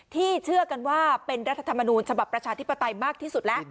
เชื่อกันว่าเป็นรัฐธรรมนูญฉบับประชาธิปไตยมากที่สุดแล้ว